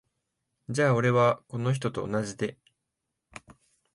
じゃ俺は、この人と同じで。